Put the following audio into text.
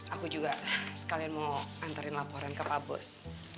aku juga sekalian mau anterin laporan ke pak bos